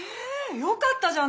よかったじゃない。